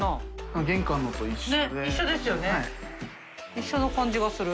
一緒の感じがする。